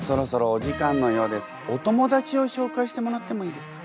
お友だちをしょうかいしてもらってもいいですか？